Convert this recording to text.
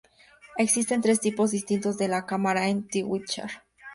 Existen tres tipos distintos de cámara en "The Witcher.